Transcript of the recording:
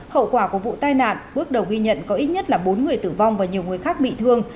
hậu quả của vụ tai nạn bước đầu ghi nhận có ít nhất là bốn người tử vong và nhiều người khác bị thương